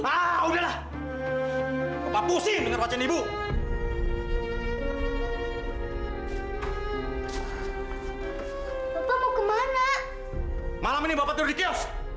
ah udahlah bapak pusing denger pacan ibu